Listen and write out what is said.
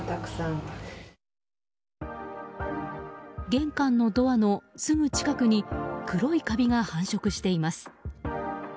玄関のドアのすぐ近くに黒いカビが繁殖しています。